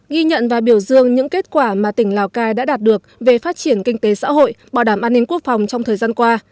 ghi nhận và biểu dương những kết quả mà tỉnh lào cai đã đạt được về phát triển kinh tế xã hội bảo đảm an ninh quốc phòng trong thời gian qua